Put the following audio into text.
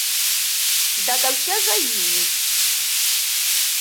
Da gaske zai yiwu?